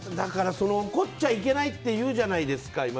だから、怒っちゃいけないっていうじゃないですか、今。